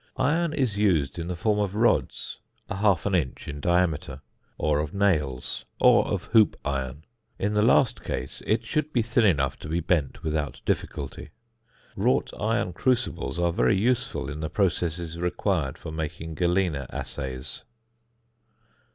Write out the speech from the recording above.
Iron is used in the form of rods, 1/2 inch in diameter, or of nails, or of hoop iron. In the last case it should be thin enough to be bent without difficulty. Wrought iron crucibles are very useful in the processes required for making galena assays.